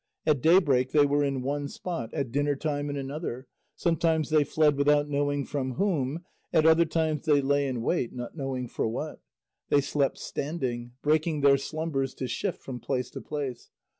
At daybreak they were in one spot, at dinner time in another; sometimes they fled without knowing from whom, at other times they lay in wait, not knowing for what. They slept standing, breaking their slumbers to shift from place to place.